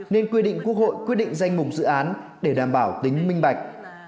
nên quy định quốc hội quyết định danh mục dự án để đảm bảo tính minh bạch